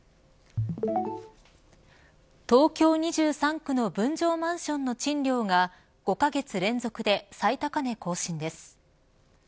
東京２３区の分譲マンションの賃料が５カ月連続で最高値更新です。